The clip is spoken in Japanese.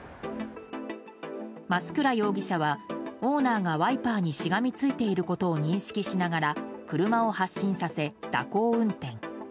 増倉容疑者はオーナーがワイパーにしがみついていることを認識しながら車を発進させ、蛇行運転。